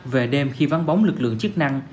về đêm khi vắng bóng lực lượng chức năng